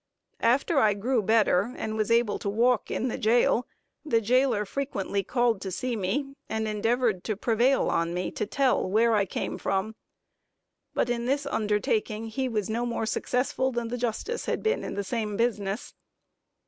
After I grew better, and was able to walk in the jail, the jailer frequently called to see me, and endeavored to prevail on me to tell where I came from; but in this undertaking he was no more successful than the justice had been in the same business.